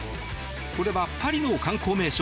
これはパリの観光名所